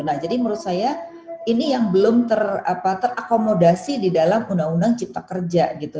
nah jadi menurut saya ini yang belum terakomodasi di dalam undang undang cipta kerja gitu